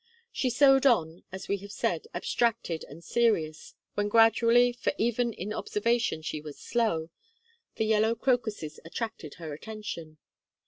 She sewed on, as we have said, abstracted and serious, when gradually, for even in observation she was slow, the yellow crocuses attracted her attention.